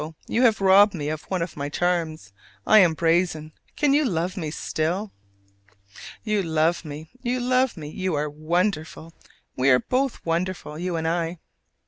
you have robbed me of one of my charms: I am brazen. Can you love me still? You love me, you love me; you are wonderful! we are both wonderful, you and I.